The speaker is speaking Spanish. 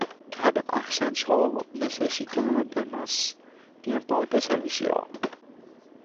Cada ascenso necesita de más tiempo de servicio.